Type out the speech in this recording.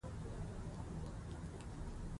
که اضطراب درملنه ونه شي، وضعیت خرابېږي.